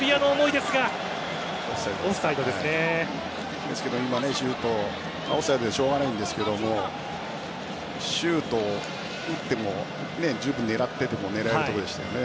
ですが今のシュートオフサイドでしょうがないですがシュートを打っても十分狙ってても狙えるところでしたよね。